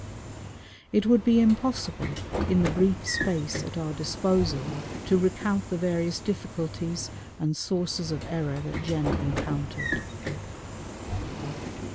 It would be impossible in the brief space at our disposal to recount the various difficulties and sources of error that Jenner encountered.